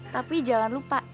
tapi jangan lupa